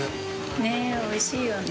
ねぇおいしいよね。